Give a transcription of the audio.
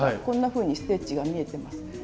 こんなふうにステッチが見えてます。